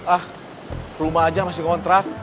ah rumah aja masih ngontrak